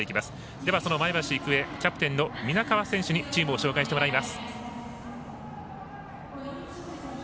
では、その前橋育英キャプテンの皆川選手にチームを紹介してもらいましょう。